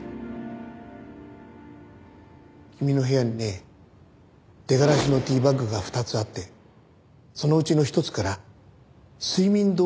君の部屋にね出がらしのティーバッグが２つあってそのうちの１つから睡眠導入剤の成分が検出された。